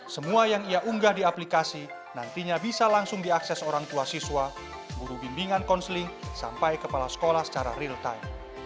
semua yang ia unggah di aplikasi nantinya bisa langsung diakses orang tua siswa guru bimbingan konseling sampai kepala sekolah secara real time